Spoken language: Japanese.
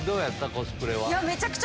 コスプレは。